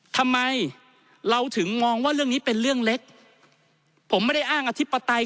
ทำไมเราถึงมองว่าเรื่องนี้เป็นเรื่องเล็กผมไม่ได้อ้างอธิปไตย